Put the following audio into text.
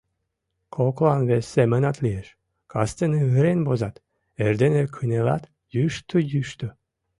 Коклан вес семынат лиеш: кастене ырен возат, эрдене кынелат — йӱштӧ-йӱштӧ.